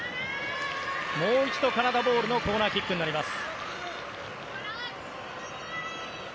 もう一度カナダボールのコーナーキックになります。